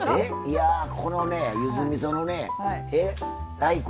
このね、ゆずみその大根。